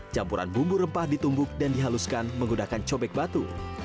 campuran bumbu rempah ditumbuk dan dihaluskan menggunakan cobek batu